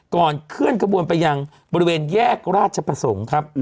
เคลื่อนกระบวนไปยังบริเวณแยกราชประสงค์ครับ